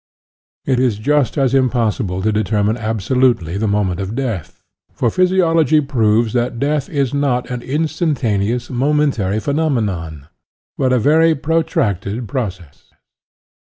It is just as impossible to determine abso lutely the moment of death, for physiology proves that death is not an instantaneous, momentary phenomenon, but a very pro tracted process.